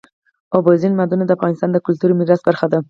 اوبزین معدنونه د افغانستان د کلتوري میراث برخه ده.